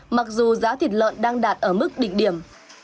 mặc dù giá thịt lợn đang đạt ở mức đỉnh điểm